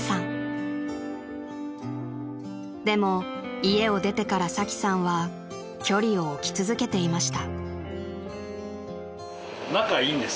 ［でも家を出てからサキさんは距離を置き続けていました］